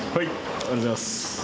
ありがとうございます。